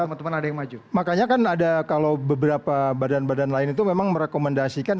enggak makanya kan ada kalau beberapa badan badan lain itu memang merekomendasikan